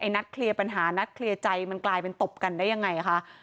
นัดเคลียร์ปัญหานัดเคลียร์ใจมันกลายเป็นตบกันได้ยังไงคะ